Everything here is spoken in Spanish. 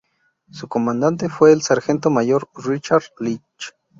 Su comandante fue el sargento mayor Richard Leech.